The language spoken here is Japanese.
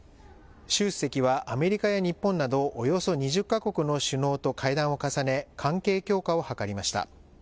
習主席はアメリカや日本など、およそ２０か国の首脳と会談を重ね、関係強化を図りました。